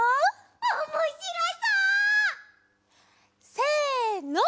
おもしろそう！せの。